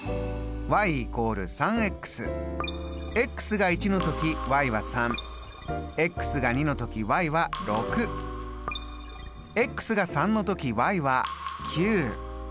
が１の時は３が２の時は６が３の時は９。